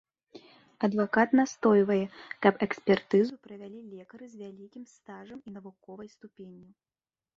Адвакат настойвае, каб экспертызу правялі лекары з вялікім стажам і навуковай ступенню.